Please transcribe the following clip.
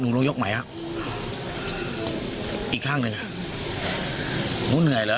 หนูลงยกใหม่ครับอีกข้างหนึ่งหนูเหนื่อยเหรอ